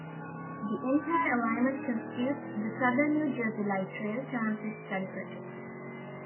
The entire alignment constitutes the Southern New Jersey Light Rail Transit Study project.